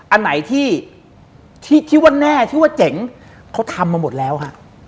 อันไหนที่คิดว่าแน่ชื่อว่าเจ๋งเขาทำมาหมดแล้วฮะ